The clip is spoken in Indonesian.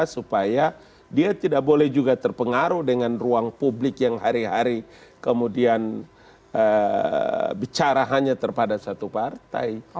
supaya dia tidak boleh juga terpengaruh dengan ruang publik yang hari hari kemudian bicara hanya terhadap satu partai